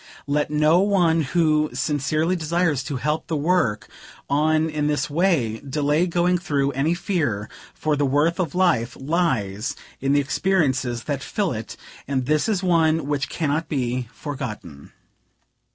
Let no one who sincerely desires to help the work on in this way, delay going through any fear; for the worth of life lies in the experiences that fill it, and this is one which cannot be forgotten.